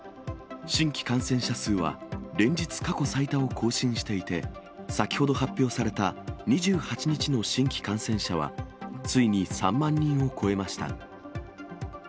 新規感染者数は、連日過去最多を更新していて、先ほど発表された２８日の新規感染者は、ついに３万人を超えました。